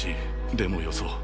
でもよそう。